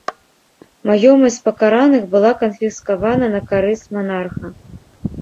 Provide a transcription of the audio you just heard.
Маёмасць пакараных была канфіскавана на карысць манарха.